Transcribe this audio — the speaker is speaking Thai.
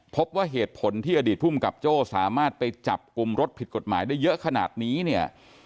พบว่าเหตุผลที่อดีตภูมิกับโจ้สามารถไปจับกลุ่มรถผิดกฎหมายได้เยอะขนาดนี้เนี่ย